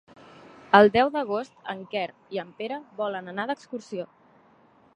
El deu d'agost en Quer i en Pere volen anar d'excursió.